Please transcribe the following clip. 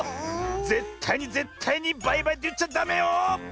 ぜったいにぜったいにバイバイっていっちゃダメよ。